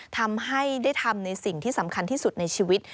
ทำให้ได้ทำในสิ่งที่สำคัญที่สุดในชีวิต